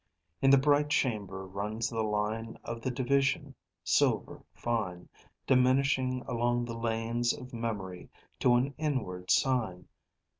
_ _In the bright chamber runs the line of the division, silver, fine, diminishing along the lanes of memory to an inward sign.